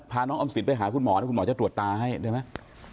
น้องออมสินไปหาคุณหมอถ้าคุณหมอจะตรวจตาให้ได้ไหม